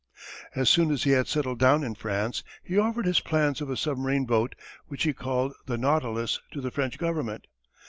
As soon as he had settled down in France, he offered his plans of a submarine boat which he called the Nautilus to the French Government.